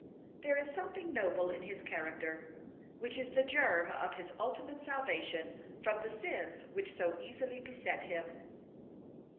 There is something noble in his character, which is the germ of his ultimate salvation from the sins which so easily beset him.